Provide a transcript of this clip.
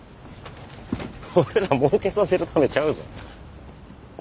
俺らもうけさせるためちゃうぞ。